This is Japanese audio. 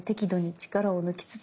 力を抜きつつ。